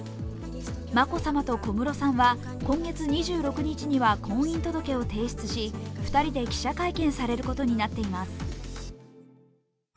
眞子さまと小室さんは今月２６日には婚姻届を提出し２人で記者会見されることになっています。